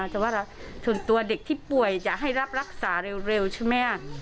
แต่ว่าส่วนตัวเด็กที่ป่วยจะให้รับรักษาเร็วใช่ไหม